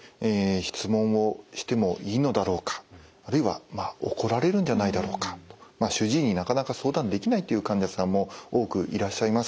質問をしてもいいのだろうかあるいは怒られるんじゃないだろうかと主治医になかなか相談できないという患者さんも多くいらっしゃいます。